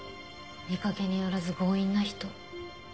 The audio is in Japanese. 見かけによらず強引な人。